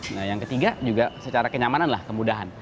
nah yang ketiga juga secara kenyamanan lah kemudahan